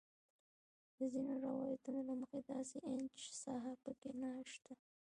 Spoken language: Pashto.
د ځینو روایتونو له مخې داسې انچ ساحه په کې نه شته.